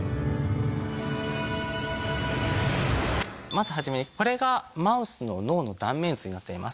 まず初めにこれがマウスの脳の断面図になってます。